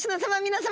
皆様！